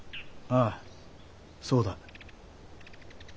ああそうだ。